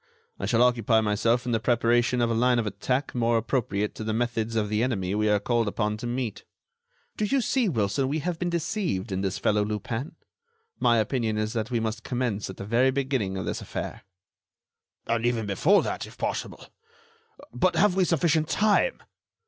I shall occupy myself in the preparation of a line of attack more appropriate to the methods of the enemy we are called upon to meet. Do you see, Wilson, we have been deceived in this fellow Lupin. My opinion is that we must commence at the very beginning of this affair." "And even before that, if possible. But have we sufficient time?"